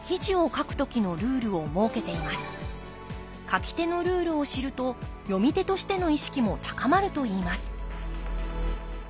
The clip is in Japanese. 書き手のルールを知ると読み手としての意識も高まるといいます